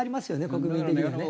国民的にはね。